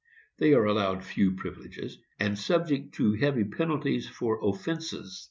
They are allowed few privileges, and subject to heavy penalties for offences.